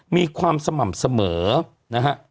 มีความสม่ำเสมอนะฮะ